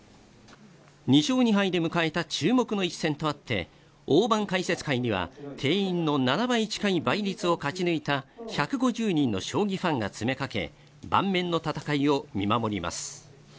２勝２敗で迎えた注目の一戦とあって、大盤解説会には定員の７倍近い倍率を勝ち抜いた１５０人の将棋ファンが詰めかけ盤面の戦いを見守ります。